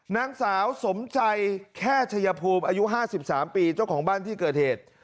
นางสาวสมใจแค่ชัยภูมิอายุ๕๓ปีเจ้าของบ้านที่เกิดเหตุ